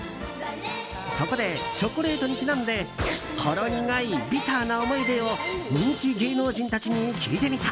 そこで、チョコレートにちなんでほろ苦いビターな思い出を人気芸能人たちに聞いてみた。